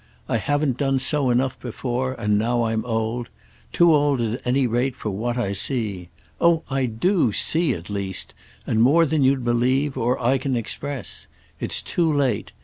I haven't done so enough before—and now I'm old; too old at any rate for what I see. Oh I do see, at least; and more than you'd believe or I can express. It's too late.